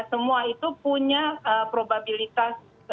semua itu punya probabilitas